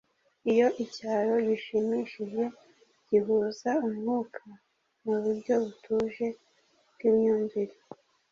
Iyo icyaro gishimishije gihuza umwuka muburyo butuje bwimyumvire